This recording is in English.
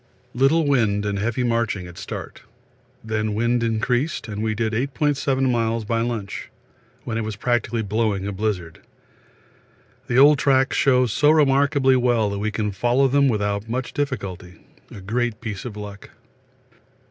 Little wind and heavy marching at start. Then wind increased and we did 8.7 miles by lunch, when it was practically blowing a blizzard. The old tracks show so remarkably well that we can follow them without much difficulty a great piece of luck.